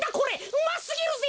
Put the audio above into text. うますぎるぜ。